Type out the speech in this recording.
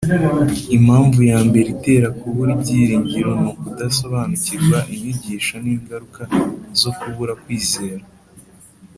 Impamvu ya mbere itera kubura ibyiringiro ni ukudasobanukirwa inyigisho n'ingaruka zo kubura kwizera